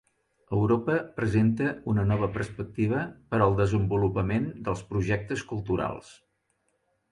Europa presenta una nova perspectiva per al desenvolupament dels projectes culturals.